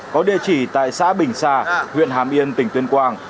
có địa chỉ tại xã bình sa huyện hàm yên tỉnh tuyên quang